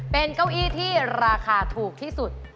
เป็นเก้าอี้ที่ราคาถูกที่สุด